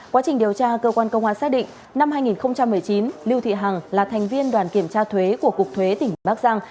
quá trình điều tra cơ quan công an xác định năm hai nghìn một mươi chín lưu thị hằng là thành viên đoàn kiểm tra thuế của cục thuế tỉnh bắc giang